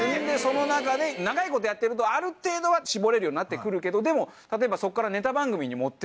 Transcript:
でその中で長いことやってるとある程度は絞れるようになって来るけどでも例えばそこから。